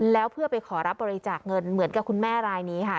แล้วเพื่อไปขอรับบริจาคเงินเหมือนกับคุณแม่รายนี้ค่ะ